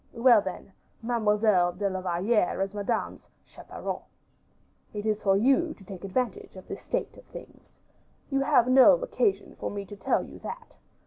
Well, then, Mademoiselle de la Valliere is Madame's chaperon. It is for you to take advantage of this state of things. You have no occasion for me to tell you that.